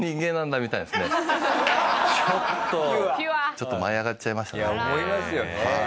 ちょっと舞い上がっちゃいましたね。